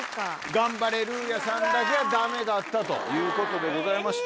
ガンバレルーヤさんだけはダメだったということでございまして。